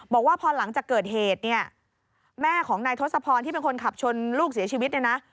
บอกว่าพอหลังจากเกิดเหตุเนี่ยแม่ของนายทศพรที่เป็นคนขับชนลูกเสียชีวิตเนี่ยนะ